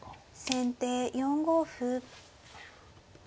先手４五歩。